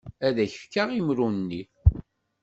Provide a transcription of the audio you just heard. Ad ak-fkeɣ imru-nni.